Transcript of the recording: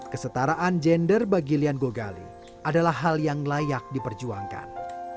kesetaraan gender bagi lian gogali adalah hal yang layak diperjuangkan